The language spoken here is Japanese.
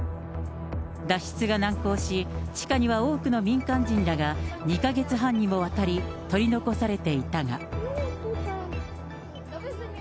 脱出が難航し、地下には多くの民間人らが２か月半にもわたり、取り残されていたが。